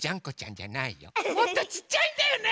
もっとちっちゃいんだよね。